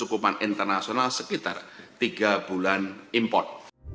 hukuman internasional sekitar tiga bulan import